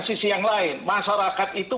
sisi yang lain masyarakat itu